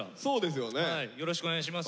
よろしくお願いします。